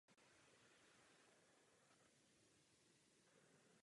Další související materiál je uložen v Museum of the City of New York.